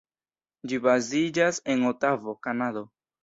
Ĝi baziĝas en Otavo, Kanado.